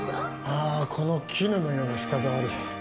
ああこの絹のような舌触り